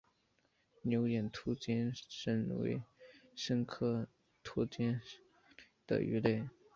牛眼凹肩鲹为鲹科凹肩鲹属的鱼类。